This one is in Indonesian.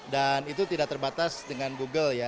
dan itu tidak terbatas dengan google ya